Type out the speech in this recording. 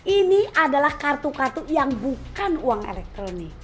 ini adalah kartu kartu yang bukan uang elektronik